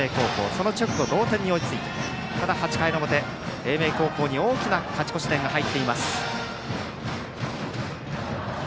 その直後、同点に追いついてただ８回の表、英明高校に大きな勝ち越し点が入っています。